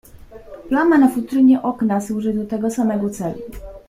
"Plama na futrynie okna służy do tego samego celu."